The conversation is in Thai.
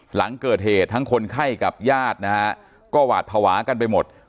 หลังเกิดเหตุทั้งคนไข้กับญาตินะฮะก็หวาดภาวะกันไปหมด